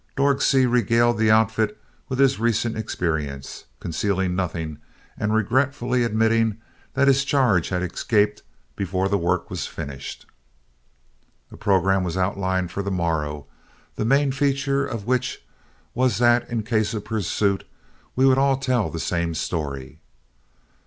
Dorg Seay regaled the outfit with his recent experience, concealing nothing, and regretfully admitting that his charge had escaped before the work was finished. A programme was outlined for the morrow, the main feature of which was that, in case of pursuit, we would all tell the same story.